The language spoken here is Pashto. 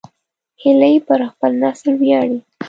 هیلۍ پر خپل نسل ویاړي